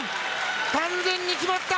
完全に決まった。